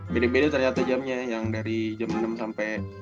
beda beda ternyata jam nya yang dari jam enam sampe